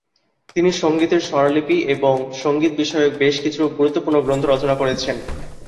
তিনি সঙ্গীতের স্বরলিপি এবং সঙ্গীত বিষয়ক বেশ কিছু গুরুত্বপূর্ণ গ্রন্থ রচনা করেছেন।